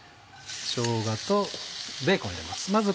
しょうがとベーコンを入れます